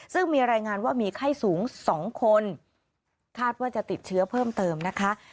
ซึ่งมีรายงานว่ามีไข้สูง๒คนคาดว่าจะติดเชื้อเพิ่มเติมนะคะ